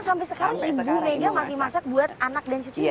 sampai sekarang ibu rega masih masak buat anak dan cucunya